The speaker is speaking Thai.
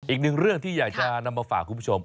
อีกหนึ่งเรื่องที่อยากจะนำมาฝากคุณผู้ชม